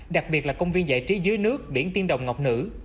đặc biệt là công viên giải trí dưới nước biển tiên đồng ngọc nữ